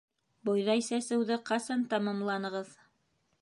Бойҙай сәсеүҙе ҡасан тамамланығыҙ?